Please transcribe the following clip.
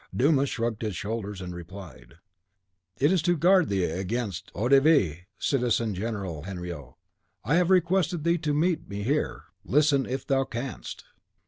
Dumas shrugged his shoulders, and replied, "It is to guard thee against eau de vie, Citizen General Henriot, that I have requested thee to meet me here. Listen if thou canst!"